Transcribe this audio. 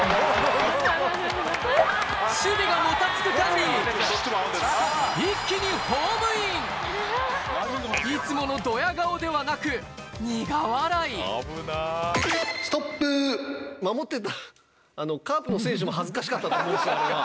守備がもたつく間に一気にホームインいつものドヤ顔ではなく守ってたカープの選手も恥ずかしかったと思うんですよ。